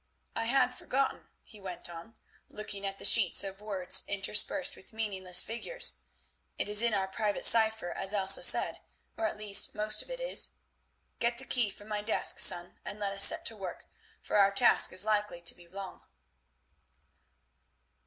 "I had forgotten," he went on, looking at the sheets of words interspersed with meaningless figures; "it is in our private cypher, as Elsa said, or at least most of it is. Get the key from my desk, son, and let us set to work, for our task is likely to be long."